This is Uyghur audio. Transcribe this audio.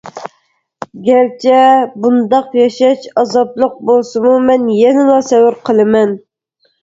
گەرچە بۇنداق ياشاش ئازابلىق بولسىمۇ مەن يەنىلا سەۋر قىلىمەن.